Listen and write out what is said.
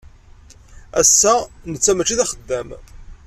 Ass-a, netta mačči d axeddam.